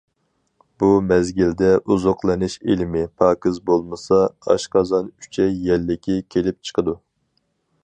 بۇ مەزگىلدە ئوزۇقلىنىش ئىلمى، پاكىز بولمىسا ئاشقازان- ئۈچەي يەللىكى كېلىپ چىقىدۇ.